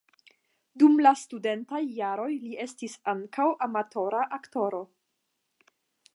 Dum la studentaj jaroj li estis ankaŭ amatora aktoro.